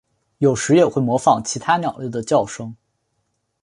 有时也会模仿其他鸟类的叫声。